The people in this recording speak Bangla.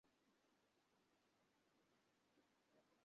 তিনি নিজে নষ্ট করে ফেলেছেন।